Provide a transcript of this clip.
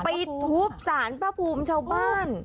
ไปทุบสารพระภูมิชาวบ้าน